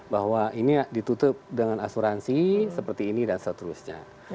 bahwa ini ditutup dengan asuransi seperti ini dan seterusnya